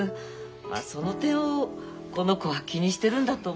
まあその点をこの子は気にしてるんだと思うんです。